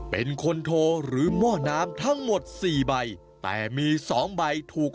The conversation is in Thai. เป็นคนโทหรือหม้อน้ำทั้งหมดสี่ใบแต่มี๒ใบถูก